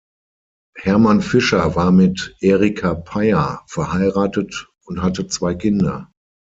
Hermann Fischer war mit "Erika Peyer" verheiratet und hatte zwei Kinder.